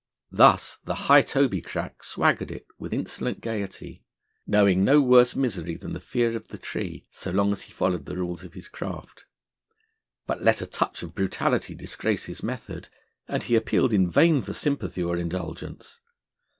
Thus the High toby crack swaggered it with insolent gaiety, knowing no worse misery than the fear of the Tree, so long as he followed the rules of his craft. But let a touch of brutality disgrace his method, and he appealed in vain for sympathy or indulgence.